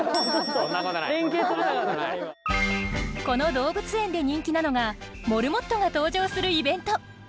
この動物園で人気なのがモルモットが登場するイベント。